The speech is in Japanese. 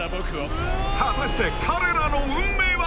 ［果たして彼らの運命は？］